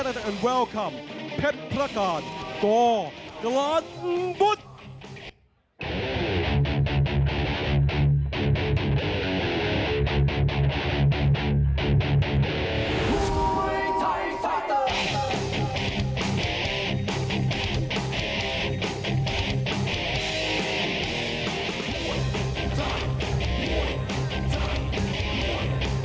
สวัสดีครับและสวัสดีครับพระพระการณ์ต่อกลานมุทธ์